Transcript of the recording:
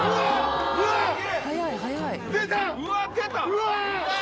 うわ！